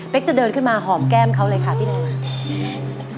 เป็นจะเดินขึ้นมาหอมแก้มเขาเลยค่ะพี่หนุ่ม